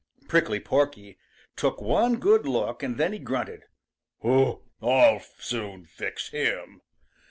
Prickly Porky took one good look and then he grunted, "I'll soon fix him!"